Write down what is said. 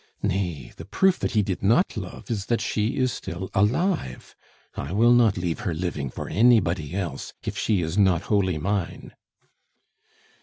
"Nay; the proof that he did not love is that she is still alive I will not leave her living for anybody else, if she is not wholly mine."